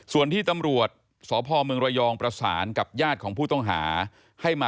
ส่วนที่ตำรวจสภมรยประศานกับยาติของผู้ต้องหา